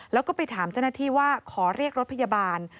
แล้วก็ไปถามเจ้าหน้าที่ว่าขอเรียกรถพยาบาล